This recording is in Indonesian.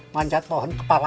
manjat pohon kepala